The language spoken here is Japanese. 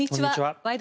「ワイド！